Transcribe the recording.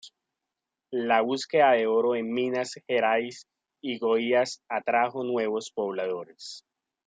La búsqueda del oro en Minas Gerais y Goiás atrajo nuevos pobladores.